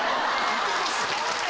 いけます？